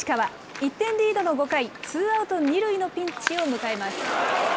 １点リードの５回、ツーアウト二塁のピンチを迎えます。